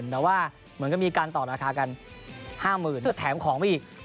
แต่ว่าเหมือนก็มีการต่อราคากัน๕๐๐๐แล้วแถมของไปอีก